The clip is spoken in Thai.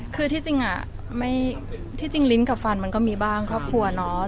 คือที่จริงที่จริงลิ้นกับฟันมันก็มีบ้างครอบครัวเนาะ